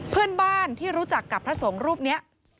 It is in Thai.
เพื่อนบ้านที่รู้จักกับพระสงฆ์รูปนี้